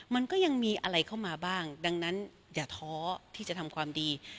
มันก็ยังมีอะไรเข้ามาบ้างดังนั้นอย่าท้อที่จะทำความดี